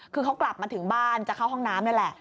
คือเขากลับมาถึงบ้านจะเข้าห้องน้ำนี่แหละ